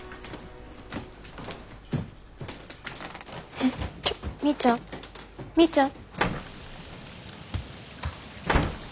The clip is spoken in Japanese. えっみーちゃんみーちゃん。